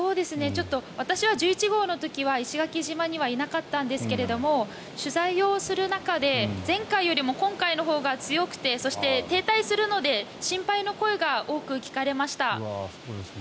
ちょっと私は１１号の時には石垣島にはいなかったんですが取材をする中で前回よりも今回のほうが強くて、そして停滞するので心配の声が多く聞かれました。